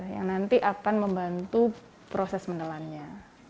yang nanti akan membantu proses menelannya